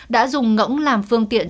đã dùng ngỗng làm phương tiện